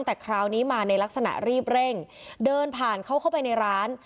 แต่คราวนี้มาในลักษณะรีบเร่งเดินผ่านเขาเข้าไปในร้าน